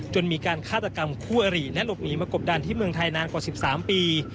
มีการฆาตกรรมคู่อริและหลบหนีมากบดันที่เมืองไทยนานกว่า๑๓ปี